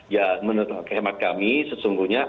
ya menurut hemat kami sesungguhnya